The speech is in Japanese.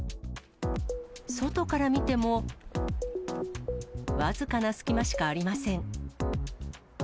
外から見ても、僅かな隙間しかありません。